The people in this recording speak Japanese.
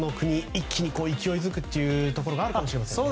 一気に勢いづくところがあるかもしれませんね。